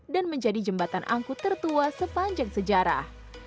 dan menjadi jembatan angkut tertua sepanjang sejarah